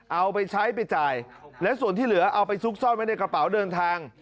เอาไปใช้ไปจ่ายและส่วนที่เหลือเอาไปซุกซ่อนไว้ในกระเป๋าเดินทาง